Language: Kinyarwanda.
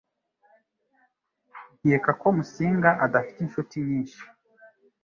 Nkeka ko Musinga adafite inshuti nyinshi